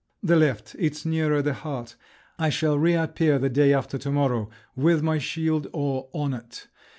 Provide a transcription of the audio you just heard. "The left, it's nearer the heart. I shall reappear the day after to morrow with my shield or on it!